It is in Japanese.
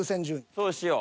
そうしよう。